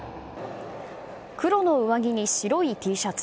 黒の上着に白いＴシャツ